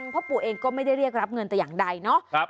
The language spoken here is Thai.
พ่อปู่เองก็ไม่ได้เรียกรับเงินแต่อย่างใดเนาะ